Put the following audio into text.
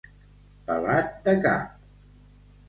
Pelat de cap.